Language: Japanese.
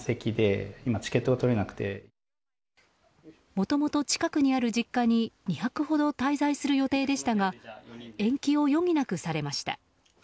もともと近くにある実家に２泊ほど滞在する予定でしたが延期を余儀なくされました。